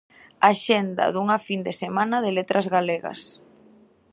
Axenda dunha fin de semana de Letras Galegas.